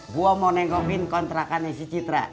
gue mau nengokin kontrakannya si citra